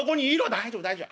「大丈夫大丈夫。